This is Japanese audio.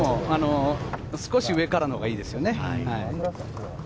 少し上からのがいいですよね。